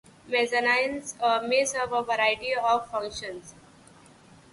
Mezzanines may serve a wide variety of functions.